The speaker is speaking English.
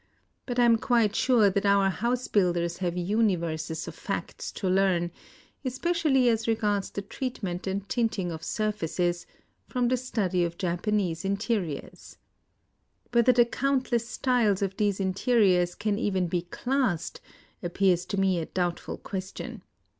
But I am quite sure that our house builders have universes of facts to learn — especially as regards the treatment and tinting of surfaces — from the study of Japanese interiors. Whether the countless styles of these interiors can even be classed appears to me a doubtful question.